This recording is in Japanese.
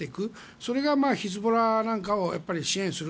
それがヒズボラを支援する。